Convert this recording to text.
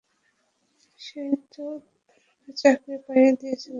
সেই তো আমাকে চাকরি পাইয়ে দিয়েছিল।